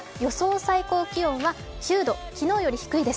最高気温は９度、昨日より低いです。